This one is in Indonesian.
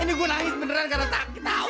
ini gue nangis beneran karena tak tahu